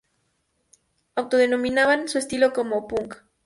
Autodenominaban su estilo como ""G-punk"".